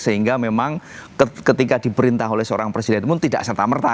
sehingga memang ketika diperintah oleh seorang presiden pun tidak serta merta